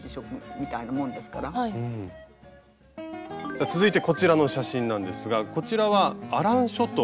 さあ続いてこちらの写真なんですがこちらはアラン諸島？